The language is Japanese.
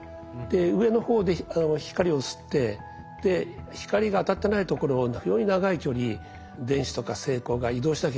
上の方で光を吸って光が当たってないところを非常に長い距離電子とか正孔が移動しなきゃいけないんですね。